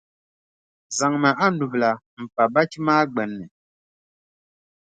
Zaŋmi a nubila m-pa bachi maa gbunni.